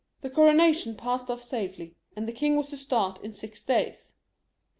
The coronation passed off safely, and the king was to start in six days.